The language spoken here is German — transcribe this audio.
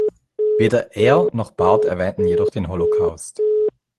Weder er noch Barth erwähnten jedoch den Holocaust.